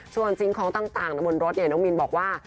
ส่วนจริงของต่างบนรถเนี่ยน้องมิลบอกว่า